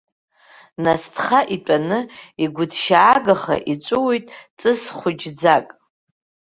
Насҭха итәаны игәҭшьаагаха иҵәыуоит ҵыс хәыҷӡак.